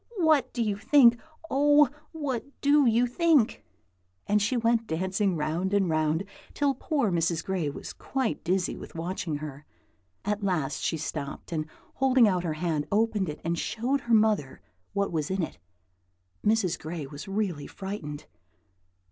What do you think? oh, what do you think?" and she went dancing round and round, till poor Mrs. Gray was quite dizzy with watching her. At last she stopped, and holding out her hand, opened it and showed her mother what was in it. Mrs. Gray was really frightened.